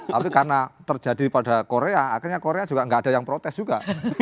tapi karena terjadi pada korea akhirnya korea juga nggak ada yang protes juga